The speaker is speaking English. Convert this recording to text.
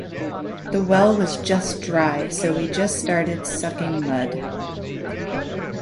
The well was just dry, so we just started sucking mud.